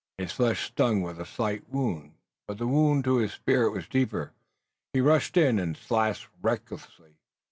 His flesh stung with a slight wound, but the wound to his spirit was deeper. He rushed in and slashed recklessly.